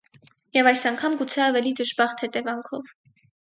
- Եվ այս անգամ գուցե ավելի դժբախտ հետևանքով: